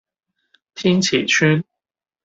天慈邨